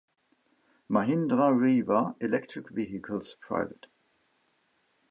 Mahindra Reva Electric Vehicles Pvt.